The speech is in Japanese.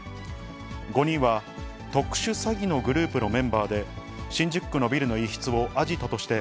５人は特殊詐欺のグループのメンバーで、新宿区のビルの一室をアジトとして、